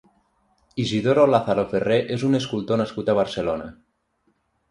Isidoro Lázaro Ferré és un escultor nascut a Barcelona.